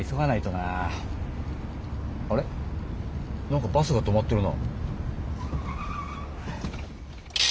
なんかバスが止まってるな。